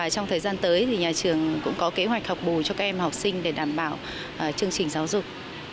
trong thời gian tới thì nhà trường cũng có kế hoạch học bù cho các em học sinh để đảm bảo chương trình giáo dục